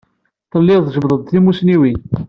Telliḍ tjebbdeḍ-d timussniwin.